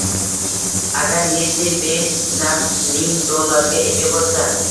Agar Eddi Beylz nakd ming dollarga ega bo`lsa